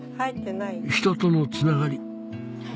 人とのつながり